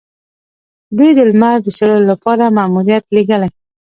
دوی د لمر د څیړلو لپاره ماموریت لیږلی.